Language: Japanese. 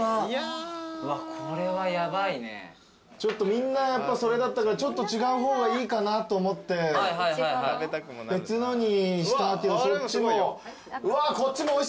みんなそれだったからちょっと違う方がいいかなと思って別のにしたけどそっちも。